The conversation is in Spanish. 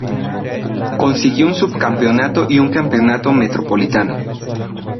Consiguió un subcampeonato y un campeonato metropolitano.